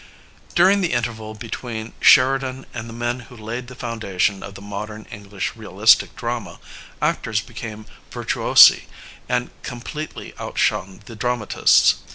During the interval between Sheridan and the men who laid the foundation of the modem English realistic drama, actors became virtuosi and com pletely outshone the dramatists.